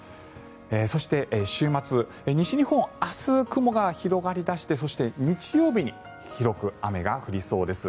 そして、週末西日本は明日、雲が広がり出してそして日曜日に広く雨が降りそうです。